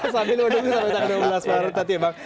sambil menerima usulan